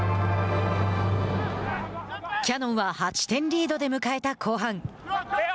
キヤノンは８点リードで迎えた後半。